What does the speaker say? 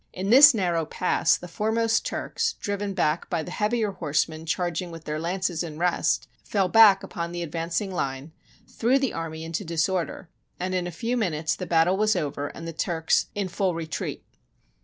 In this narrow pass the foremost Turks, driven back by the heavier horsemen charging with their lances in rest, fell back upon the advancing line, threw the army into disorder, and in a few minutes the battle was over and the Turks in full retreat.